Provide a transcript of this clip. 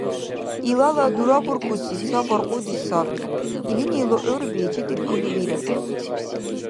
Илала дурабуркӀуси ца баркьуди саби: илини лугӀурби чедирхьули вирар.